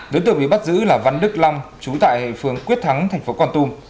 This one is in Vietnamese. đối tượng bị bắt giữ là văn đức long trú tại phương quyết thắng thành phố con tum